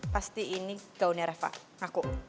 pasti ini gaunnya reva aku